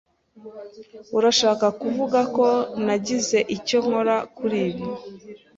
Urashaka kuvuga ko nagize icyo nkora kuri ibi?